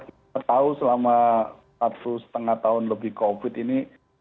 kita tahu selama satu setengah tahun lebih covid ini